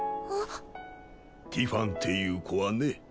ティファンっていう子はね。